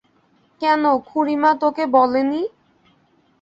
কেন, খুড়িমা তোকে বলেনি?